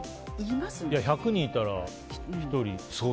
１００人いたら１人。